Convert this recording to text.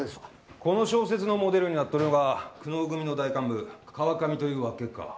この小説のモデルになっとるのが久能組の大幹部川上というわっけっか。